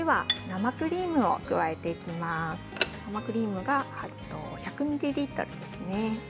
生クリームは１００ミリリットルです。